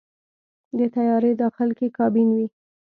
د طیارې داخل کې کابین وي.